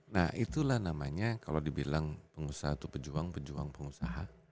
nah itulah namanya kalau dibilang pengusaha atau pejuang pejuang pengusaha